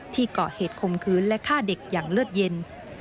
เกาะเหตุคมคืนและฆ่าเด็กอย่างเลือดเย็น